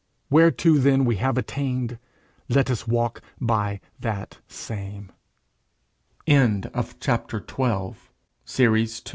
Whereto then we have attained let us walk by that same! END OF THE SECOND SERIES.